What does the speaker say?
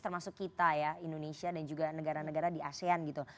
termasuk kita ya indonesia dan juga negara negara di asean gitu